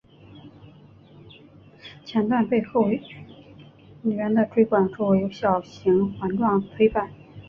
前段背椎后缘的椎管周围有小型环状椎版。